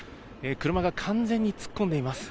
車が完全に突っ込んでいます。